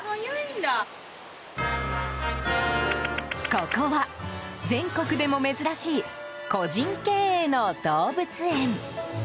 ここは、全国でも珍しい個人経営の動物園。